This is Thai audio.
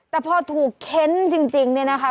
แต่พอถูกเค้นจริงเนี่ยนะคะ